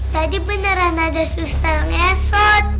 tadi beneran ada suster ngesot